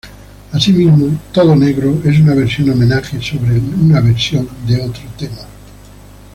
Asimismo, "Todo negro" es una versión-homenaje sobre una versión de otro tema.